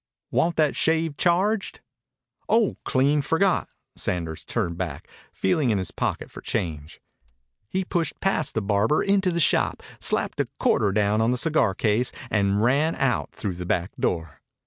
"Want that shave charged?" "Oh! Clean forgot." Sanders turned back, feeling in his pocket for change. He pushed past the barber into the shop, slapped a quarter down on the cigar case, and ran out through the back door.